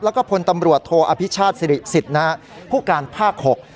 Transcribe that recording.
แล้วก็พลตำรวจโทอภิชาติสิริสิทธิ์ผู้การภาค๖